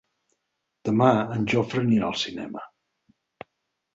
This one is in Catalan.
Demà en Jofre anirà al cinema.